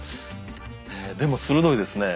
でも鋭いですね。